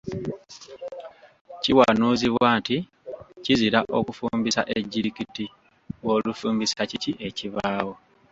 Kiwanuuzibwa nti kizira okufumbisa ejjirikiti, bw'olifumbisa kiki ekibaawo?